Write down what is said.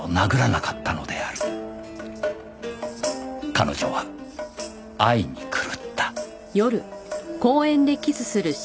“彼女”は愛に狂った